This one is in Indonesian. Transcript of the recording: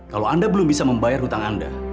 kalau anda belum bisa membayar hutang anda